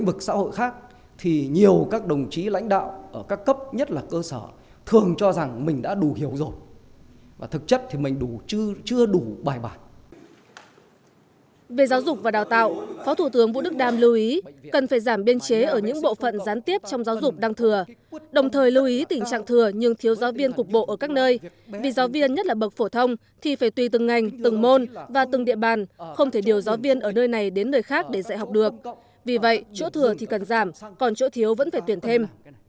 về giáo dục và đào tạo phó thủ tướng vũ đức đam lưu ý cần phải giảm biên chế ở những bộ phận gián tiếp trong giáo dục đăng thừa đồng thời lưu ý tỉnh trạng thừa nhưng thiếu giáo viên cục bộ ở các nơi vì giáo viên nhất là bậc phổ thông thì phải tùy từng ngành từng môn và từng địa bàn không thể điều giáo viên ở nơi này đến nơi khác để dạy học được vì vậy chỗ thừa thì cần giảm còn chỗ thiếu vẫn phải tuyển thêm